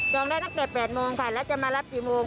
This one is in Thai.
ได้ตั้งแต่๘โมงค่ะแล้วจะมารับกี่โมง